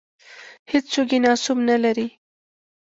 هېڅوک یې ناسوب نه لري.